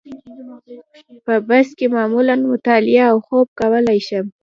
په بس کې معمولاً مطالعه او خوب کولای شم.